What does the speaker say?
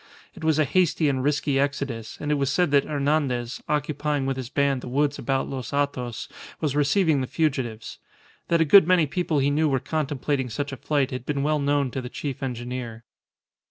It was a hasty and risky exodus, and it was said that Hernandez, occupying with his band the woods about Los Hatos, was receiving the fugitives. That a good many people he knew were contemplating such a flight had been well known to the chief engineer.